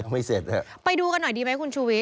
มันไปดูหน่อยดีไหมคุณชุวิต